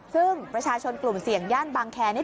ซึ่งประชาชนกลุ่มเสี่ยงย่านบางแคร์นี่